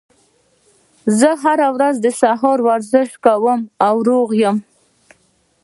زه هره ورځ د سهار ورزش کوم او روغ یم